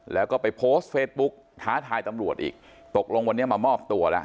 แล้วก็ไปโพสต์เฟซบุ๊กท้าทายตำรวจอีกตกลงวันนี้มามอบตัวแล้ว